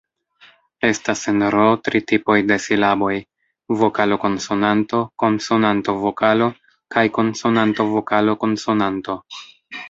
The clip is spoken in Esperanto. Estas en Ro tri tipoj de silaboj: vokalo-konsonanto, konsonanto-vokalo kaj konsonanto-vokalo-konsonanto.